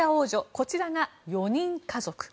こちらが４人家族。